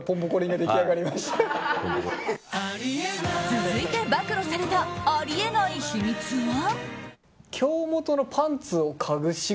続いて暴露されたあり得ない秘密は。